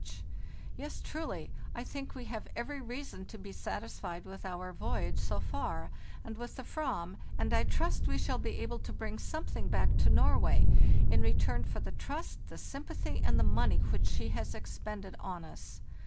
26 FARTHEST NORTH Yes, truly, I think we have every reason to be satisfied with our voyage so far and with the /vam, and I trust we shall be able to bring something back to Norway in return for the trust, the sympathy, and the money which she has expended on us.